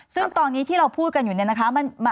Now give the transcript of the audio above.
ซึ่งตอนนี้ที่เราพูดกันอยู่เนี่ยนะคะ